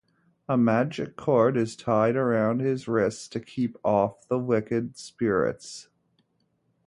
A magic cord is tied around his wrist to keep off the wicked spirits.